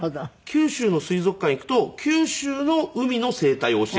九州の水族館行くと九州の海の生態を教えてくれたり。